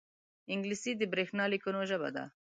انګلیسي د برېښنا لیکونو ژبه ده